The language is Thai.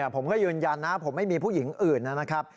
ผมก็ยืนยันนะผมไม่มีผู้หญิงอื่นนะครับ